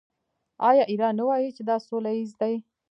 آیا ایران نه وايي چې دا سوله ییز دی؟